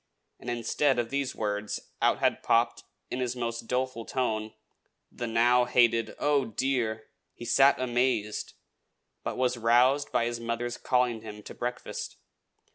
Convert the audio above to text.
and, instead of these words, out had popped, in his most doleful tone, the now hated "Oh, dear!" He sat amazed; but was roused by his mother's calling him to breakfast.